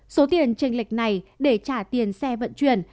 số tiền tranh lệch này để trả tiền xe vận chuyển